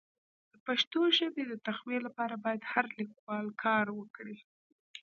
د پښتو ژبي د تقويي لپاره باید هر لیکوال کار وکړي.